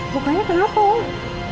pokoknya kenapa om